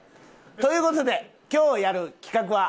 という事で今日やる企画は。